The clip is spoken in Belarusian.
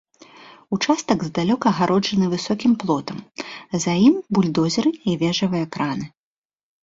Участак здалёк агароджаны высокім плотам, за ім бульдозеры і вежавыя краны.